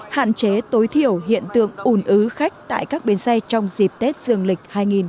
hạn chế tối thiểu hiện tượng ủn ứ khách tại các bên xe trong dịp tết dường lịch hai nghìn một mươi tám